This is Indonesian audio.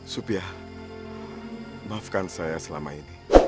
supiah maafkan saya selama ini